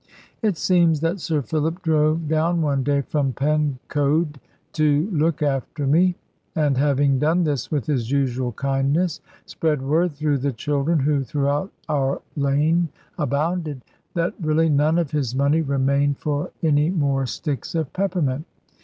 It seems that Sir Philip drove down one day from Pen Coed to look after me, and having done this with his usual kindness, spread word through the children (who throughout our lane abounded) that really none of his money remained for any more sticks of peppermint.